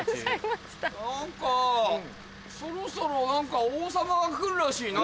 何かそろそろ何か王様が来るらしいな。